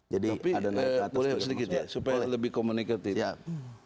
tapi boleh sedikit ya supaya lebih komunikatif